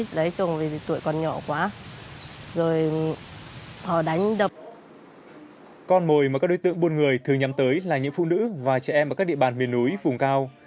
con mồi mà các đối tượng buôn người thường nhắm tới là những phụ nữ và trẻ em ở các địa bàn miền núi vùng cao